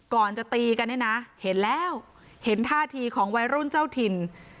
ก่อนจะตีกันเนี่ยนะเห็นแล้วเห็นท่าทีของวัยรุ่นเจ้าถิ่น